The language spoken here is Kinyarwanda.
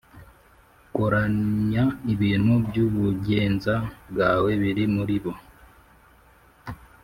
Koranya ibintu by ubugenza bwawe biri muri bo